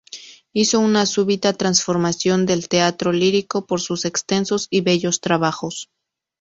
Hizo una súbita transformación del teatro lírico por sus extensos y bellos trabajos.